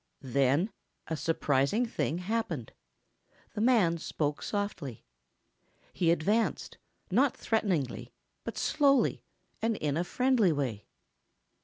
Then a surprising thing happened. The man spoke softly. He advanced, not threateningly but slowly, and in a friendly way.